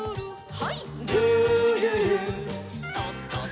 はい。